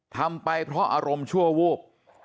ทำไปเพราะอารมณ์ชั่ววูบ